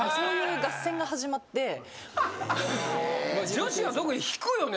女子は引くよね